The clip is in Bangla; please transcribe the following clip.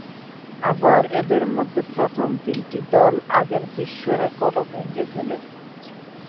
আবার এদের মধ্যে প্রথম তিনটি দল আগের বিশ্ব রেকর্ডও ভেঙে ফেলে।